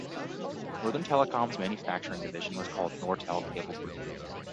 Northern Telecom's manufacturing division was called Nortel Cable Group.